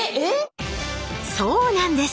そうなんです！